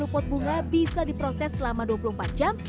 tiga ratus enam puluh pot bunga bisa diproses selama dua puluh empat jam